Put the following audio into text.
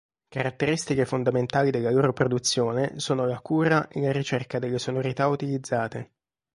Caratteristiche fondamentali della loro produzione sono la cura e la ricerca delle sonorità utilizzate.